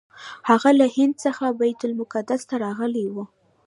هغه له هند څخه بیت المقدس ته راغلی و.